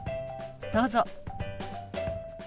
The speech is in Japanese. どうぞ。